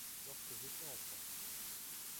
Lorsque j'étais enfant ;